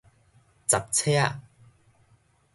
雜脆仔